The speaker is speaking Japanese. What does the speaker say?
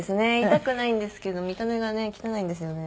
痛くないんですけど見た目がね汚いんですよね。